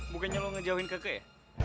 bukannya lo ngejauhin kek ya